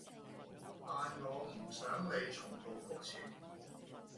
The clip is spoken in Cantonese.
但我唔想你重蹈覆徹